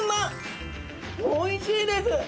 おいしいです！